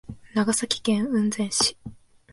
長崎県雲仙市